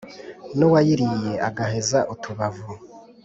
N'uwayiriye agaheza utubavu,